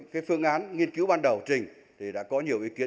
cái phương án nghiên cứu ban đầu trình thì đã có nhiều ý kiến